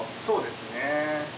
そうですね。